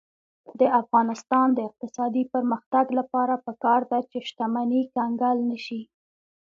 د افغانستان د اقتصادي پرمختګ لپاره پکار ده چې شتمني کنګل نشي.